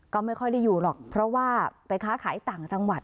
ก็ไม่ค่อยได้อยู่หรอกเพราะว่าไปค้าขายต่างจังหวัด